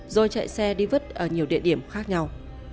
rồi chạy xe đi vứt ở nhiều địa điểm khác nhau